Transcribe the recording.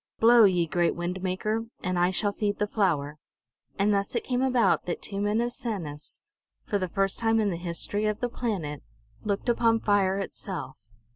Blow, ye great wind maker, and I shall feed the flower!" And thus it came about that two men of Sanus, for the first time in the history of the planet, looked upon fire itself.